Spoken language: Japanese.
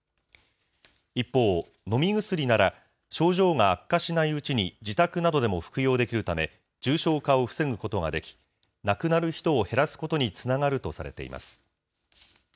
一方、飲み薬なら症状が悪化しないうちに自宅などでも服用できるため、重症化を防ぐことができ、亡くなる人を減らすことにつながるとされています。